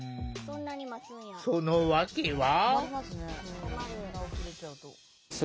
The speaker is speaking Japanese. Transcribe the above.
そのわけは。